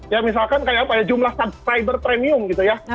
ya misalkan kayak apa ya jumlah subscriber premium gitu ya